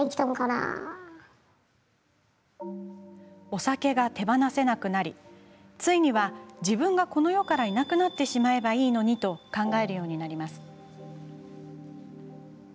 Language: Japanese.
お酒が手放せなくなりついには、自分がこの世からいなくなってしまえばいいのにと考えるようになります。